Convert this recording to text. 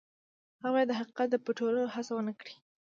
هغه باید د حقیقت د پټولو هڅه ونه کړي.